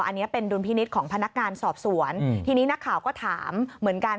อันนี้เป็นดุลพินิษฐ์ของพนักงานสอบสวนทีนี้นักข่าวก็ถามเหมือนกัน